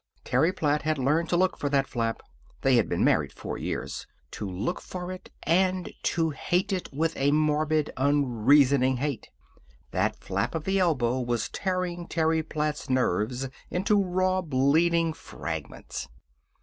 Terry Platt had learned to look for that flap they had been married four years to look for it, and to hate it with a morbid, unreasoning hate. That flap of the elbow was tearing Terry Platt's nerves into raw, bleeding fragments.